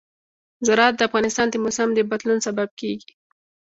زراعت د افغانستان د موسم د بدلون سبب کېږي.